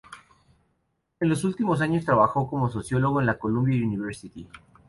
En los últimos años trabajó como sociólogo, en la Columbia University.